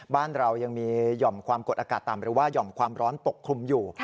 บ้านเรายังมีหย่อมความกดอากาศต่ำหรือว่าหย่อมความร้อนปกคลุมอยู่